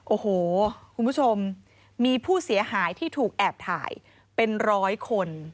โอ้โหคุณผู้ชมมีผู้เสียหายที่ถูกแอบถ่ายเป็นร้อยคน